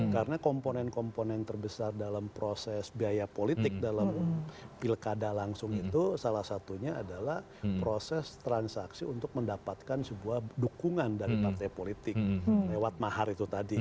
karena komponen komponen terbesar dalam proses biaya politik dalam pilkada langsung itu salah satunya adalah proses transaksi untuk mendapatkan sebuah dukungan dari partai politik lewat mahar itu tadi